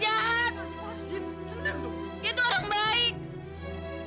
dia itu orang baik